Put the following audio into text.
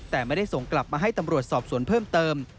แต่ไม่ได้ส่งกลับมาให้ตำรวจสอบสวนเพิ่มเติม